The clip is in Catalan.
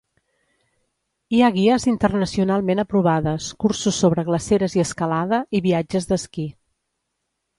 Hi ha guies internacionalment aprovades, cursos sobre glaceres i escalada, i viatges d'esquí.